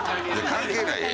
関係ないよ。